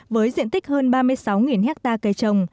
với diện tích hơn ba mươi sáu triệu m ba